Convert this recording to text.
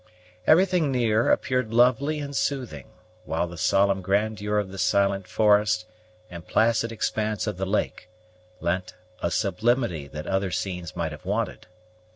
Everything near appeared lovely and soothing, while the solemn grandeur of the silent forest and placid expanse of the lake lent a sublimity that other scenes might have wanted.